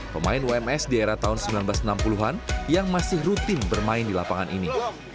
pemain ums di era tahun seribu sembilan ratus enam puluh an yang masih rutin bermain di lapangan ini